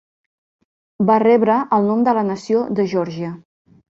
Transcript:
Va rebre el nom de la nació de Geòrgia.